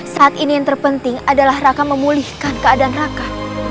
saat ini yang terpenting adalah raka memulihkan keadaan raka